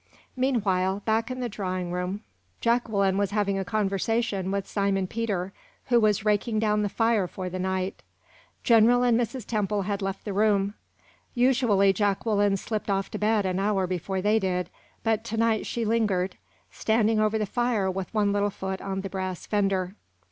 Meanwhile, back in the drawing room, Jacqueline was having a conversation with Simon Peter, who was raking down the fire for the night. General and Mrs. Temple had left the room. Usually Jacqueline slipped off to bed an hour before they did; but to night she lingered, standing over the fire with one little foot on the brass fender.